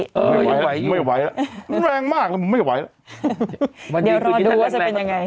ไม่ไหวไม่ไหวแล้วมันแรงมากแล้วมันไม่ไหวแล้วเดี๋ยวรอดูว่าจะเป็นยังไง